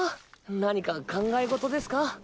何か考え事ですか？